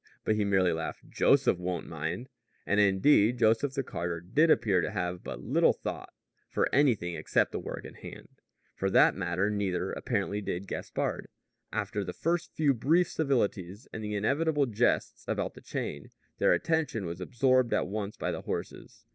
But he merely laughed: "Joseph won't mind." And, indeed, Joseph the carter did appear to have but little thought for anything except the work in hand. For that matter, neither, apparently, did Gaspard. After the first few brief civilities and the inevitable jests about the chain, their attention was absorbed at once by the horses.